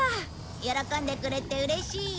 喜んでくれてうれしいよ。